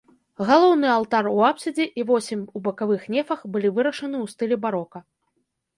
Галоўны алтар у апсідзе і восем у бакавых нефах былі вырашаны ў стылі барока.